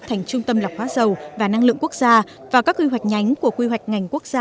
thành trung tâm lọc hóa dầu và năng lượng quốc gia và các quy hoạch nhánh của quy hoạch ngành quốc gia